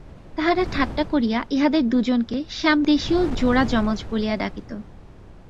তাহারা ঠাট্টা করিয়া ইহাদের দুজনকে শ্যামদেশীয় জোড়া-যমজ বলিয়া ডাকিত।